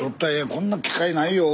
こんな機会ないよ。